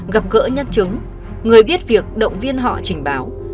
gặp gỡ nhân chứng người biết việc động viên họ trình báo